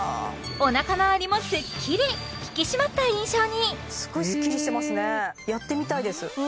おなかまわりもすっきり引き締まった印象にすごいすっきりしてますねやってみたいです